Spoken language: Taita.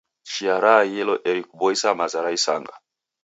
Chia raaghilo eri kuboisa maza ra isanga.